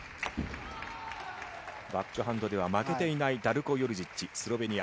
バックハンドでは負けていないダルコ・ヨルジッチ、スロベニア。